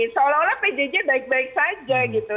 seolah olah pjj baik baik saja gitu